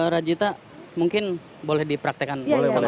rajita mungkin boleh dipraktekkan